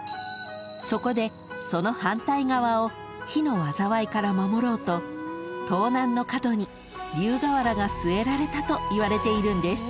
［そこでその反対側を火の災いから守ろうと東南の角に龍瓦が据えられたといわれているんです］